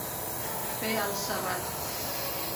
Fer el serrat.